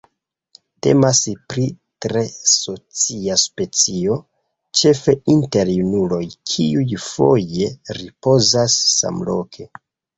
Temas pri tre socia specio, ĉefe inter junuloj kiuj foje ripozas samloke.